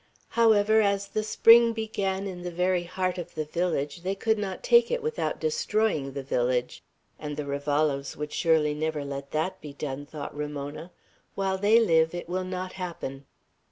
However, as the spring began in the very heart of the village, they could not take it without destroying the village. "And the Ravallos would surely never let that be done," thought Ramona. "While they live, it will not happen."